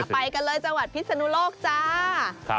ไปกันเลยจังหวัดพิศนุโลกจ้า